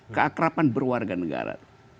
keakrapan berwarga negara